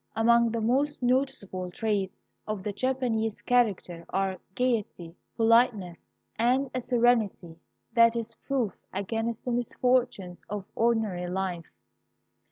Among the most noticeable traits of the Japanese character are gayety, politeness, and a serenity that is proof against the misfortunes of ordinary life.